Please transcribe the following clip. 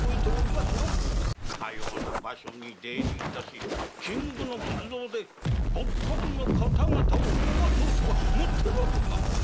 かような場所に出入り致し金むくの仏像で幕閣の方々を動かそうとはもっての外！